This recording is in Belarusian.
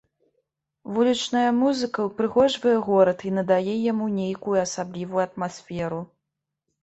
Вулічная музыка ўпрыгожвае горад і надае яму нейкую асаблівую атмасферу.